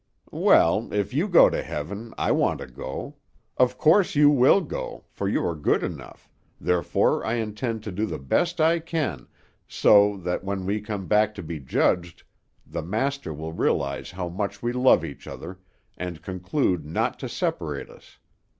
"Well, if you go to heaven, I want to go. Of course you will go, for you are good enough, therefore I intend to do the best I can, so that, when we come to be judged, the Master will realize how much we love each other, and conclude not to separate us.